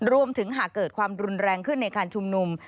หากเกิดความรุนแรงขึ้นในการชุมนุม